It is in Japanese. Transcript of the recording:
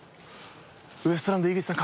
ウエストランド井口さん。